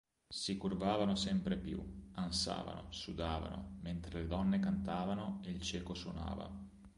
Si curvavano sempre più, ansavano, sudavano, mentre le donne cantavano e il cieco suonava.